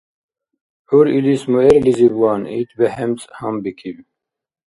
ГӀyp илис муэрлизибван ит бехӀемцӀ гьанбикиб.